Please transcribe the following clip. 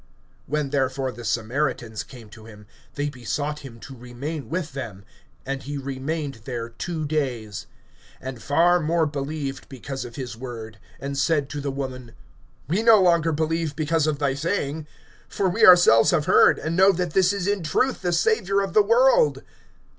(40)When therefore the Samaritans came to him, they besought him to remain with them. And he remained there two days. (41)And far more believed because of his word; (42)and said to the woman: We no longer believe because of thy saying; for we ourselves have heard, and know that this is in truth the Savior of the world.